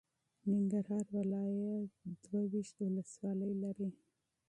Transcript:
ننګرهار ولایت دوه ویشت ولسوالۍ لري.